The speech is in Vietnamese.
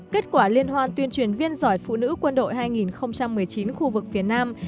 kết quả liên hoan tuyên truyền viên giỏi phụ nữ quân đội hai nghìn một mươi chín khu vực phía nam